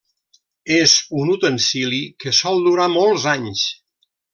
És un utensili que sol durar molts anys.